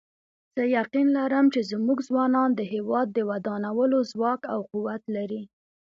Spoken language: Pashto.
زه یقین لرم چې زموږ ځوانان د هیواد د ودانولو ځواک او قوت لري